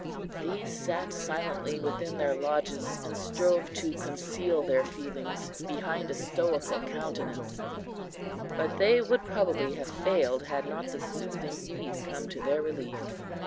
These sat silently within their lodges, and strove to conceal their feelings behind a stoical countenance; but they would probably have failed had not the soothing weed come to their relief.